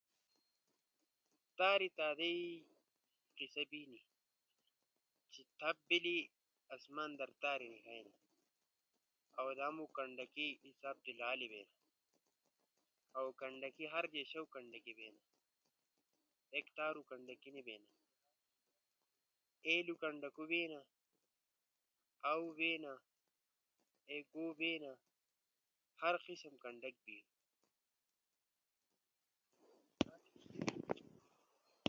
اسئ تاروں کنڈاکی پہ شی نی کی کرےایعشام بیلو نو تاروں کنڈاک بینا او تاری